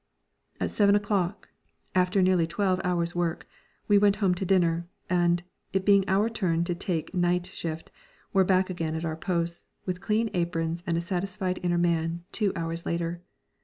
At seven o'clock (after nearly twelve hours' work) we went home to dinner, and, it being our turn to take night shift, were back again at our posts, with clean aprons and a satisfied inner man, two hours later.